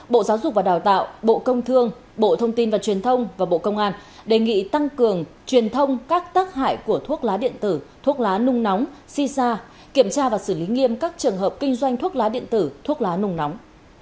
bộ giáo dục và đào tạo bộ công thương bộ thông tin và truyền thông và bộ công an đề nghị tăng cường truyền thông các tác hại của thuốc lá điện tử thuốc lá nung nóng si sa kiểm tra và xử lý nghiêm các trường hợp kinh doanh thuốc lá điện tử thuốc lá nung nóng